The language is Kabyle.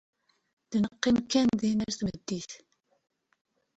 d neqqim kan dinn ar tameddit.